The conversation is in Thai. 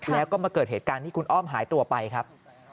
แล้วก็มาเกิดเหตุการณ์ที่คุณอ้อมหายตัวไปครับ